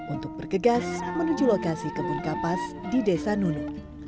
untuk bergegas menuju lokasi kebun kapas di desa nunu